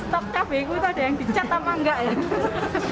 stok cabai itu ada yang dicat apa enggak ya